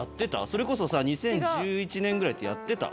それこそさ２０１１年ぐらいってやってた？